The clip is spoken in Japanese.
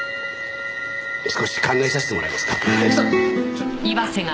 少し考えさせてもらえますか。